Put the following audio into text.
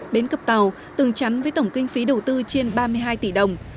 bến cập tàu tường chắn với tổng kinh phí đầu tư trên ba mươi hai tỷ đồng